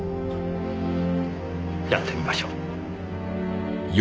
やってみましょう。